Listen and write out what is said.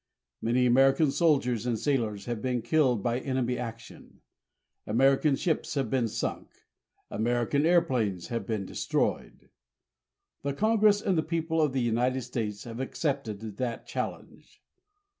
Many American soldiers and sailors have been killed by enemy action. American ships have been sunk; American airplanes have been destroyed. The Congress and the people of the United States have accepted that challenge.